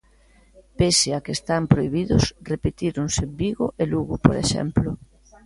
Pese a que están prohibidos, repetíronse en Vigo e Lugo, por exemplo.